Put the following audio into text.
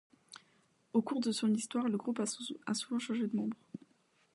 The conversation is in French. Au cours de son histoire, le groupe a souvent changé de membres.